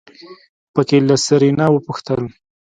په کې له سېرېنا وپوښتل.